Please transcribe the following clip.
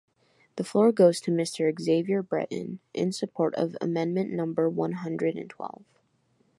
The floor goes to Mister Xavier Breton in support of amendment number one hundred and twelve.